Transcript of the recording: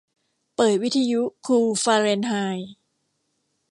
เปิดวิทยุคูลฟาเรนไฮต์